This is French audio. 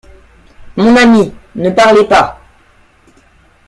Mon ami, ne parlez pas.